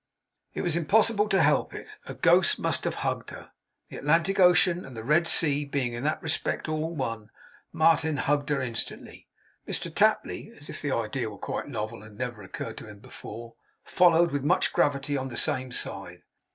It was impossible to help it a ghost must have hugged her. The Atlantic Ocean and the Red Sea being, in that respect, all one, Martin hugged her instantly. Mr Tapley (as if the idea were quite novel, and had never occurred to him before), followed, with much gravity, on the same side.